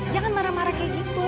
jangan marah marah kayak gitu